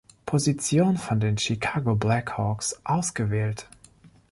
Position von den Chicago Blackhawks ausgewählt.